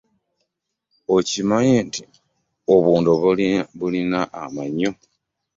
Okimanyi nti obuwundo bulina amannyo?